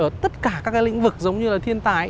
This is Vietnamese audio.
ở tất cả các lĩnh vực giống như thiên tài